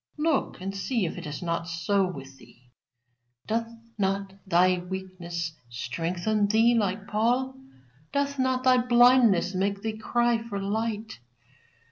Look and see if it is not so with thee? Doth not thy weakness strengthen thee like Paul? Doth not thy blindness make thee cry for light?